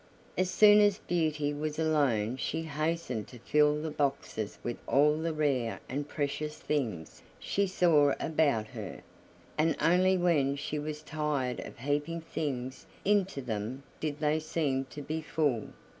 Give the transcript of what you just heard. As soon as Beauty was alone she hastened to fill the boxes with all the rare and precious things she saw about her, and only when she was tired of heaping things into them did they seem to be full.